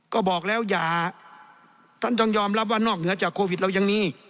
ก็บอกแล้วอย่าท่านต้องยอมรับว่านอกเหนือจากโควิดเรายังมี